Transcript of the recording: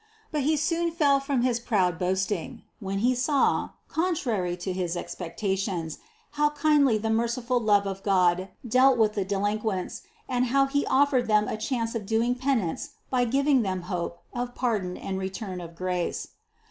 But he soon fell from his proud boasting, when he saw, contrary to his expectations, how kindly the merciful love of God dealt with the delinquents, and how He offered them a chance of doing penance by giv 130 CITY OF GOD ing them hope of pardon and return of grace.